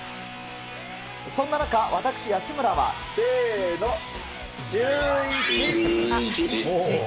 そんな中、私、安村は。せーの、シューイチ。